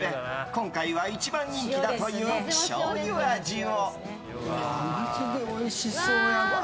今回は一番人気だというしょうゆ味を。